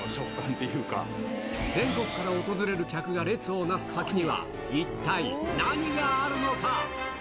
全国から訪れる客が列をなす先には、一体何があるのか？